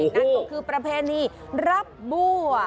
นั่นก็คือประเพณีรับบัว